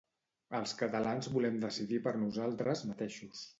Els catalans volem decidir per nosaltres mateixos.